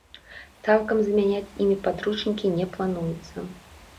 Цалкам замяняць імі падручнікі не плануецца.